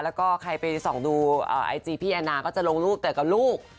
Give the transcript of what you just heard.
แล้วก็ใครไปส่องดูไอจีพี่แอนนาก็จะลงรูปแต่กับลูก